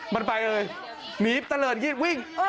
มันไปเลยหนีตะเลิศยีดวิ่ง